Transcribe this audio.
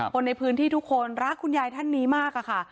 คนในพื้นที่ทุกคนรักคุณยายท่านนี้มากค่ะ